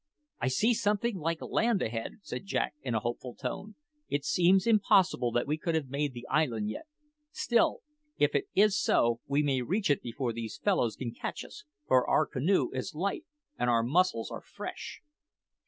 "I see something like land ahead," said Jack in a hopeful tone. "It seems impossible that we could have made the island yet; still, if it is so, we may reach it before these fellows can catch us, for our canoe is light and our muscles are fresh."